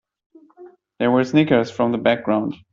There were snickers from the background.